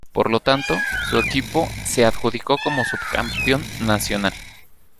Por lo tanto, su equipo se adjudicó como subcampeón nacional.